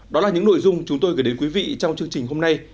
đó là những nội dung chúng tôi gửi đến quý vị trong chương trình hôm nay